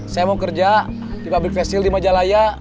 saya mau kerja di public vessel di majalaya